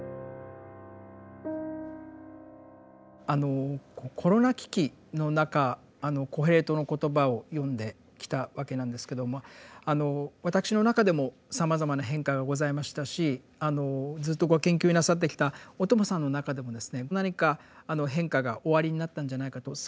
あのコロナ危機の中「コヘレトの言葉」を読んできたわけなんですけども私の中でもさまざまな変化がございましたしずっとご研究なさってきた小友さんの中でも何か変化がおありになったんじゃないかと。